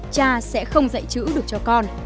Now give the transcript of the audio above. cha sẽ không dạy chữ được cho con